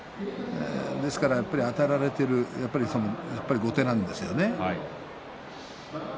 ですから、あたられている後手なんですよね。